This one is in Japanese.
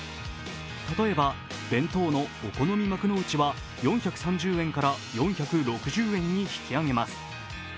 例えば弁当の、お好み幕の内は４３０円から４６０円に引き上げます。